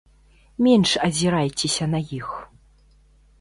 Менш азірайцеся на іх.